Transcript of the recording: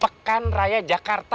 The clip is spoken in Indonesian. pekan raya jakarta